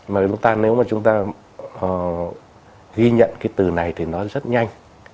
mà nếu chúng ta ghi nhận cái từ này thì nó rất nhận